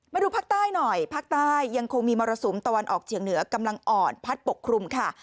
มาดูภาคใต้หน่อยภาคใต้ยังคงมีมรสุมตะวันออกเฉียงเหนือกำลังอ่อนพัดปกครุมค่ะ